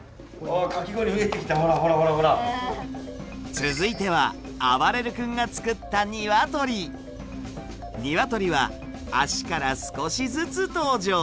続いてはあばれる君が作ったにわとりは足から少しずつ登場。